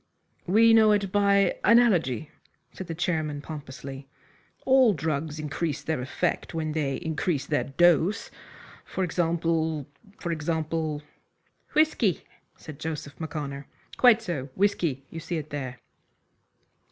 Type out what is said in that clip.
"We know it by analogy," said the chairman, pompously. "All drugs increase their effect when they increase their dose; for example for example " "Whisky," said Joseph M'Connor. "Quite so. Whisky. You see it there."